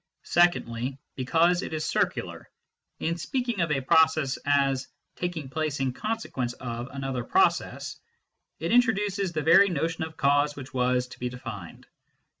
Secondly, because it is circular : in speaking of a process as " taking place in consequence of " another process, it introduces the very notion of cause which was to be denned.